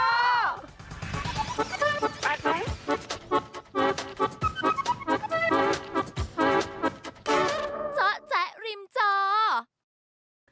พูดถึงหนุ่มหล่อเลือกงานของดาส